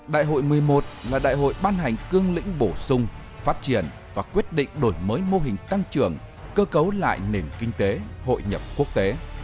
đại hội một mươi một là đại hội ban hành cương lĩnh bổ sung phát triển và quyết định đổi mới mô hình tăng trưởng cơ cấu lại nền kinh tế hội nhập quốc tế